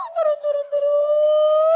turun turun turun